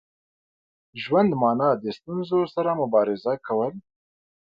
ژوند مانا د ستونزو سره مبارزه کول.